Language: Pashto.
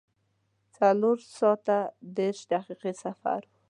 څلور ساعته دېرش دقیقې سفر و.